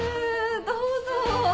どうぞ。